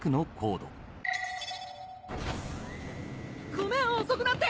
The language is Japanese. ごめん遅くなって！